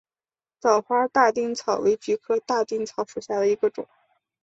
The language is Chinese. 早花大丁草为菊科大丁草属下的一个种。